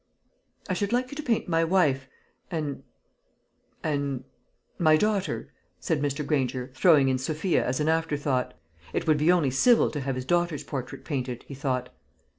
"I should like you to paint my wife and and my daughter," said Mr. Granger, throwing in Sophia as an after thought. It would be only civil to have his daughter's portrait painted, he thought.